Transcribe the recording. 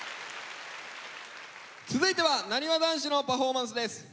続いてはなにわ男子のパフォーマンスです！